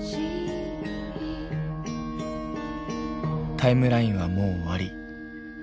タイムラインはもう終わり。